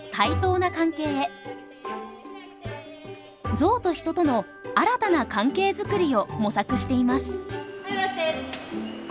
ゾウと人との新たな関係づくりを模索しています。